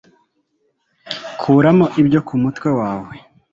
kuramo ibyo ku mutwe wawe